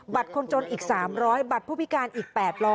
คนจนอีก๓๐๐บัตรผู้พิการอีก๘๐๐